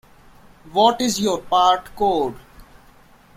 What is your part code?